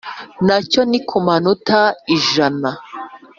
nacyo ni ku manota ijana